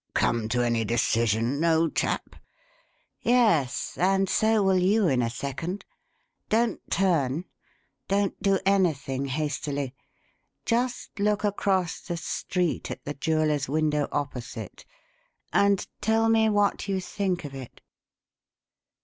"Come to any decision, old chap?" "Yes and so will you in a second. Don't turn don't do anything hastily. Just look across the street, at the jeweller's window, opposite, and tell me what you think of it."